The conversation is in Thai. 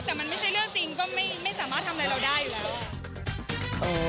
แต่มันไม่ใช่เรื่องจริงก็ไม่สามารถทำอะไรเราได้อยู่แล้ว